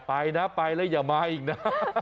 ไปนะไปแล้วอย่ามาอีกนะ